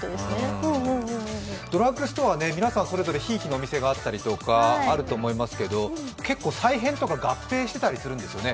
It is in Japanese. ドラッグストア、皆さんそれぞれひいきのお店があると思いますけど結構、再編とか合併してたりするんですよね。